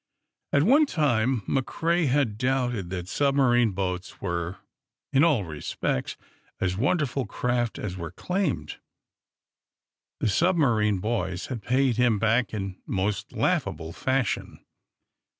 At one time McCrea had doubted that submarine boats were, in all respects, as wonderful craft as was claimed. The submarine boys had paid him back in most laughable fashion.